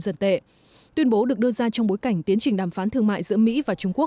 dân tệ tuyên bố được đưa ra trong bối cảnh tiến trình đàm phán thương mại giữa mỹ và trung quốc